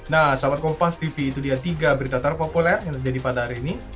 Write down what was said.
nah sahabat kompas tv itu dia tiga berita terpopuler yang terjadi pada hari ini